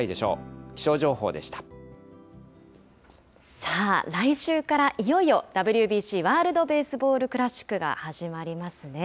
さあ、来週からいよいよ、ＷＢＣ・ワールドベースボールクラシックが始まりますね。